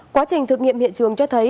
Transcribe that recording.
quá trình thực nghiệm hiện trường cho thấy